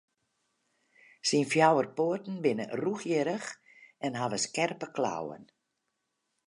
Syn fjouwer poaten binne rûchhierrich en hawwe skerpe klauwen.